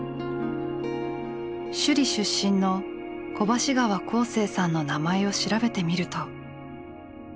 首里出身の小橋川興盛さんの名前を調べてみると。